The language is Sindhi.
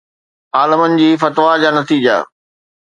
عالمن جي فتويٰ جا نتيجا